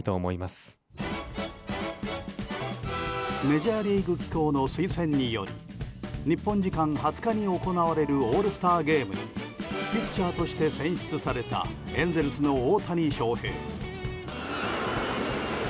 メジャーリーグ機構の推薦により日本時間２０日に行われるオールスターゲームにピッチャーとして選出されたエンゼルスの大谷翔平。